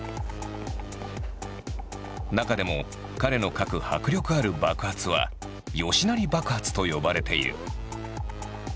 中でも彼の描く迫力ある爆発は「吉成爆発」と呼ばれている。